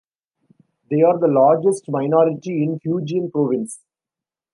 They are the largest minority in Fujian province.